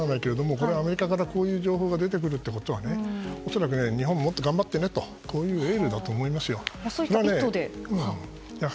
これはアメリカからこういう情報が出てくるということは恐らく、日本ももっと頑張ってねというエールだと思いますよ。